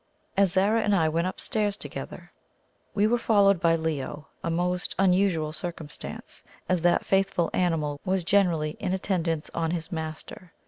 As Zara and I went upstairs together, we were followed by Leo a most unusual circumstance, as that faithful animal was generally in attendance on his master.